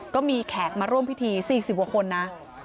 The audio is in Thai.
แขกมาร่วมพิธี๔๐กว่าคนนะ